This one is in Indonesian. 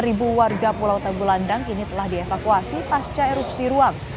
ribu warga pulau tabulan dan kabupaten sitaro kini telah dievakuasi pasca erupsi ruang